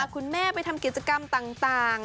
คุณแม่ไปทำกิจกรรมต่าง